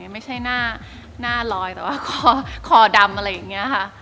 ไม่ใช่หน้าลอยแต่ว่าคอดำอะไรอย่างนี้ค่ะ